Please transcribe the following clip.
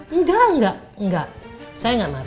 enggak enggak enggak saya nggak marah